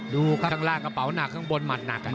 ข้างล่างกระเป๋าหนักข้างบนหมัดหนัก